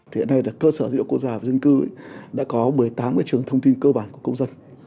hiện nay cơ sở dữ liệu quốc gia về dân cư đã có một mươi tám trường thông tin cơ bản của công dân